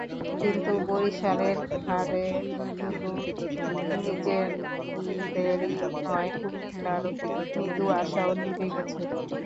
কিন্তু বরিশালের হারে শুধু তাদের নিজেদেরই নয়, কুমিল্লার মৃদু আশাও নিভে গেছে।